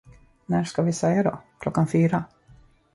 När ska vi säga då, klockan fyra?